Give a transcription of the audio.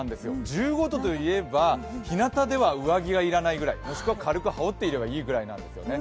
１５度といえば、ひなたでは上着が要らないくらいもしくは軽く羽織っていればいいぐらいなんですね。